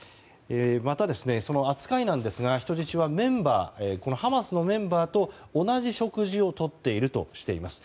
また、その扱いなんですが人質はハマスのメンバーと同じ食事をとっているとしています。